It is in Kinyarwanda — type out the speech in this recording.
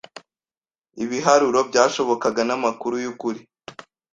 Ibiharuro byashobokaga namakuru yukuri